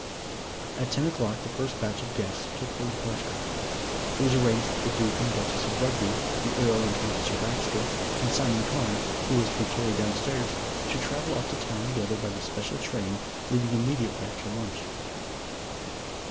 At ten o'clock the first batch of guests took their departure. It was arranged that the Duke and Duchess of Rugby, the Earl and Countess of Raxter, and Simon Carne, who was to be carried downstairs, should travel up to town together by the special train leaving immediately after lunch.